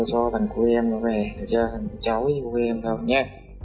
tôi cho phần của em nó về tôi cho phần của cháu với phần của em vào nhé